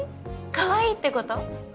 かわいいってこと？